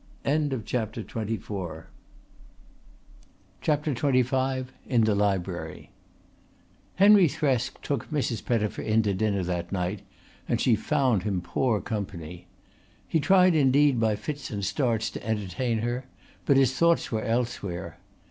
CHAPTER XXV IN THE LIBRARY Henry Thresk took Mrs. Pettifer in to dinner that night and she found him poor company. He tried indeed by fits and starts to entertain her, but his thoughts were elsewhere.